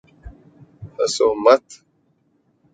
ہنسو مت